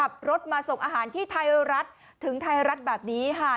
ขับรถมาส่งอาหารที่ไทยรัฐถึงไทยรัฐแบบนี้ค่ะ